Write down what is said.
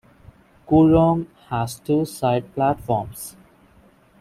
Kooyong has two side platforms.